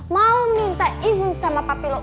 mau minta izin sama papi lo